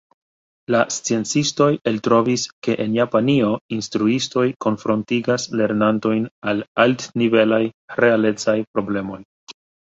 La sciencistoj eltrovis, ke en Japanio instruistoj konfrontigas lernantojn al altnivelaj realecaj problemoj.